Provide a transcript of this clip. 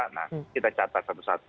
nah kita catat satu satu